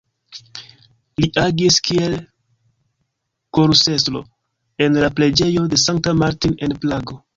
Li agis kiel korusestro en la Preĝejo de Sankta Martin en Prago.